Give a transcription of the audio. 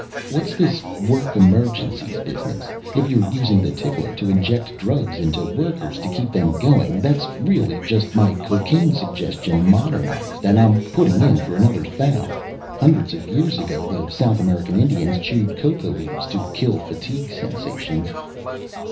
What's this 'work emergencies' business? If you're using the tickler to inject drugs into workers to keep them going, that's really just my cocaine suggestion modernized and I'm putting in for another thou. Hundreds of years ago the South American Indians chewed coca leaves to kill fatigue sensations."